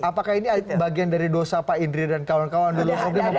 apakah ini bagian dari dosa pak indri dan kawan kawan dulu